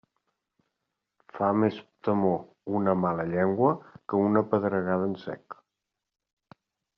Fa més temor una mala llengua que una pedregada en sec.